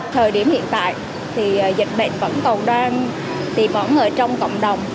thời điểm hiện tại thì dịch bệnh vẫn còn đang tìm bỏ ở trong cộng đồng